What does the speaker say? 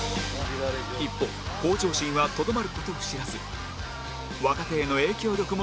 一方向上心はとどまる事を知らず若手への影響力も絶大